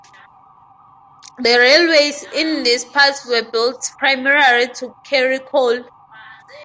The railways in these parts were built primarily to carry coal.